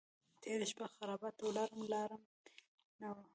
تېره شپه خرابات ته ولاړم لار مې نه وه.